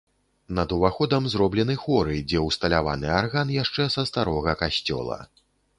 Над уваходам зроблены хоры, дзе ўсталяваны арган яшчэ са старога касцёла.